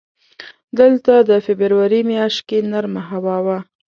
دلته د فبروري میاشت کې نرمه هوا وه.